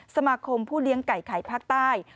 สมาคมผู้เลี้ยงไก่ไข่ภาคใต้